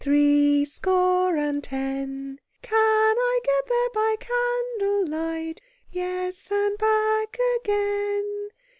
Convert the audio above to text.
Three score and ten! Can I get there by candle light? Yes, and back again!"